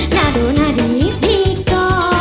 หน้าดูหน้าดีทีก็